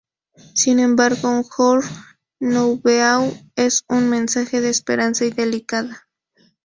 Sin embargo, "Un jour nouveau" es un mensaje de esperanza, y delicada.